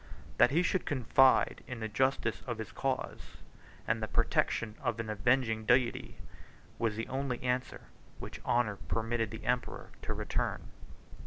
"That he should confide in the justice of his cause, and the protection of an avenging Deity," was the only answer which honor permitted the emperor to return.